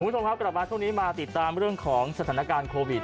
คุณผู้ชมครับกลับมาช่วงนี้มาติดตามเรื่องของสถานการณ์โควิด